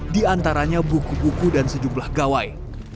di antaranya buku buku dan sejumlah gawai